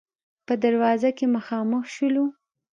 په دروازه کې مخامخ شولو.